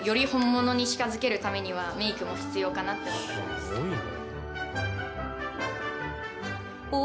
すごいな。